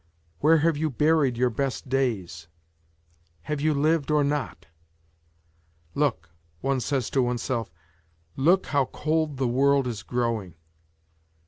Where have you buried your best days ? Have you lived or not ? Look, one to oneself, look how cold the world is growing.